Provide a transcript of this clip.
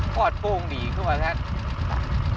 ปอดปงดีคือว่าครับ